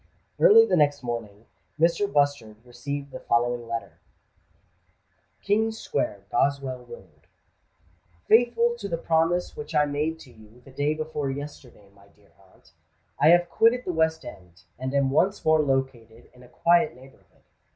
Early the next morning, Mrs. Bustard received the following letter:— "King Square, Goswell Road. "Faithful to the promise which I made to you the day before yesterday, my dear aunt, I have quitted the West End, and am once more located in a quiet neighbourhood.